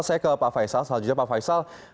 saya ke pak faisal soal jujur pak faisal